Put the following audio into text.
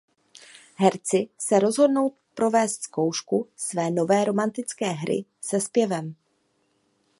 Herci se rozhodnou provést zkoušku své nové romantické hry se zpěvem.